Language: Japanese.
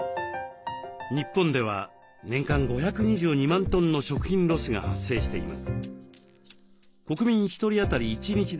日本では年間５２２万トンの食品ロスが発生しています。